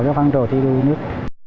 văn trò thi đu nước